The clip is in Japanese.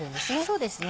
そうですね